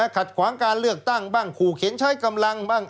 ขัดขวางการเลือกตั้งบ้างขู่เข็นใช้กำลังบ้าง